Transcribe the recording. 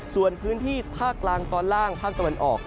ส่วนพื้นที่ภาคกลางตอนล่างภาคตะวันออก